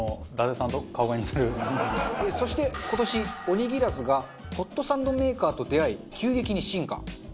そして今年おにぎらずがホットサンドメーカーと出会い急激に進化。